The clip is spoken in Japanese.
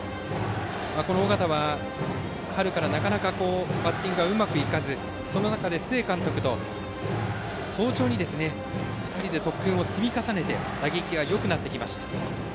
尾形は、春からなかなかバッティングがうまくいかずその中で須江監督と早朝に２人で特訓を積み重ねて打撃がよくなってきました。